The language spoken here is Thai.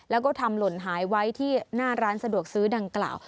แล้วก็ทำหล่นหายไว้ที่หน้าร้านสะดวกซื้อดังกล่าว